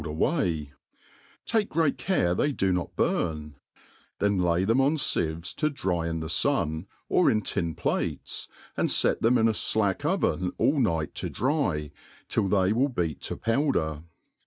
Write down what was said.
249 jbotld away, take great care they do not burn ; then lay them' on fieves to dry in the fiin, or in tin plates, and fet them in a flac^k oven all night to dry, till tbey^ wUl beat to powder.